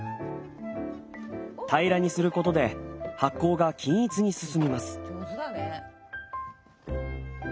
平らにすることで発酵が均一に進みます。